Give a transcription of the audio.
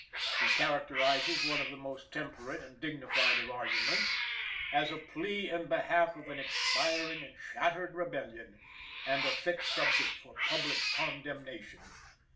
He characterizes one of the most temperate and dignified of arguments as "a plea in behalf of an expiring and shattered rebellion," and "a fit subject for public condemnation."